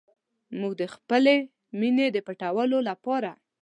موږ د خپلې مینې د پټولو لپاره.